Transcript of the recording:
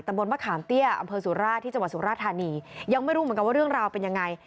บนมะขามเตี้ยอำเภอสุราชที่จังหวัดสุราธานียังไม่รู้เหมือนกันว่าเรื่องราวเป็นยังไง